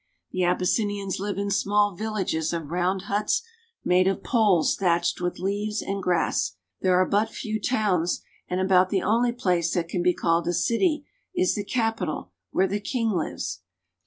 The Abyssinians live in small villages of round huts made of poles thatched with leaves and grass. There are but few towns, and about the only place that can be called a city is the capital, where the king lives.